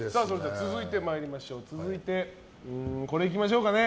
続いて、これいきましょうかね。